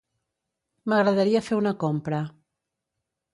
M'agradaria fer una compra.